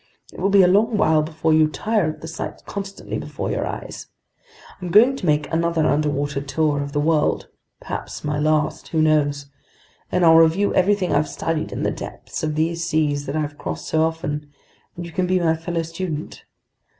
It will be a long while before you tire of the sights constantly before your eyes. I'm going to make another underwater tour of the world—perhaps my last, who knows?—and I'll review everything I've studied in the depths of these seas that I've crossed so often, and you can be my fellow student.